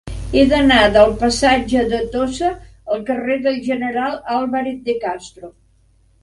He d'anar del passatge de Tossa al carrer del General Álvarez de Castro.